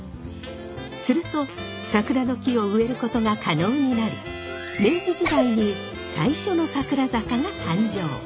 すると桜の木を植えることが可能になり明治時代に最初の桜坂が誕生。